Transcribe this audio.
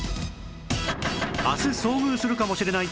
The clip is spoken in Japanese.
明日遭遇するかもしれない危険